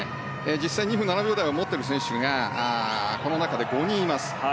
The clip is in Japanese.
実際２分７秒台を持っている選手がこの中で５人います。